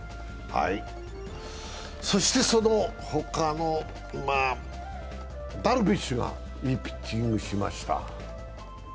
そして、その他のダルビッシュがいいピッチングしました。